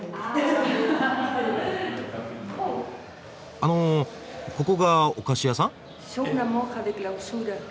あのここがお菓子屋さん？